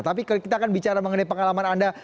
tapi kita akan bicara mengenai pengalaman anda